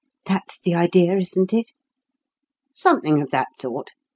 That's the idea, isn't it?" "Something of that sort.